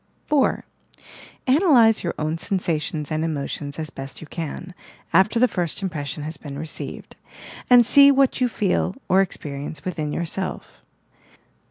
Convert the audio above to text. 4. Analyse your own sensations and emotions as best you can, after the first impression has been received, and see what you feel or experience within yourself.